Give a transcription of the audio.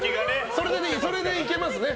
それでいけますね。